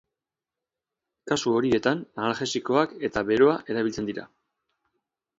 Kasu horietan analgesikoak eta beroa erabiltzen dira.